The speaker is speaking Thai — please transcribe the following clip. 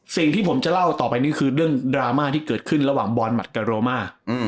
สิ่งที่ผมจะเล่าต่อไปนี่คือเรื่องดราม่าที่เกิดขึ้นระหว่างบอลหมัดกับโรมา